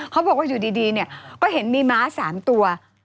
เขาบอกว่าอยู่ดีเนี่ยก็เห็นมีม้า๓ตัว